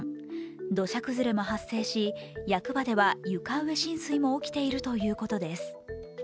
土砂崩れも発生し、役場では床上浸水も起きているということです。